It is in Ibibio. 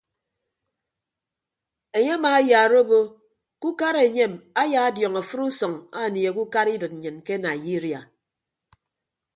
Enye amaayaara obo ke ukara enyem ayaadiọñ afịt usʌñ anieehe ukara idịt nnyịn ke naiyiria.